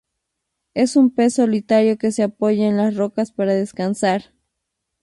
Es un pez solitario que se apoya en las rocas para descansar.